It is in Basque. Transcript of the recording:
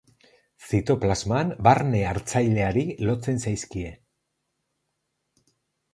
Zitoplasman barne hartzaileari lotzen zaizkie.